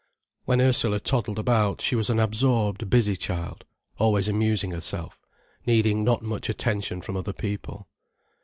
When Ursula toddled about, she was an absorbed, busy child, always amusing herself, needing not much attention from other people.